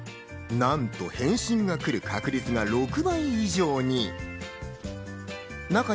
なんと、返信が来る確率が６倍以上に。